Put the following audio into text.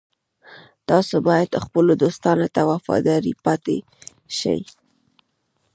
تاسو باید خپلو دوستانو ته وفادار پاتې شئ